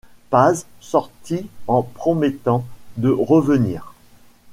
Paz sortit en promettant de revenir.